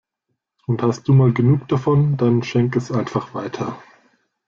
Und hast du mal genug davon, dann schenk es einfach weiter.